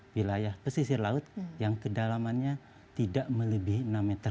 wilayah pesisir laut yang kedalamannya tidak melebihi enam meter